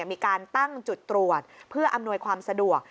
มีการตั้งจุดตรวจเพื่ออำนวยความสะดวก